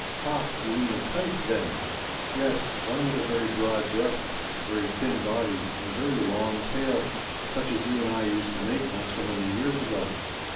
"Ha! you mean a kite, then?" "Yes, one with a very broad breast, a very thin body, and a very long tail: such as you and I used to make not so many years ago."